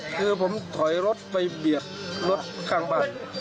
คือผมถอยรถไปเบียดรถข้างบ้าน